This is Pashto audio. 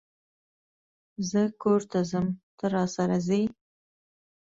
زه کور ته ځم ته، راسره ځئ؟